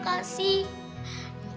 kau telah memberikan rezeki yang baik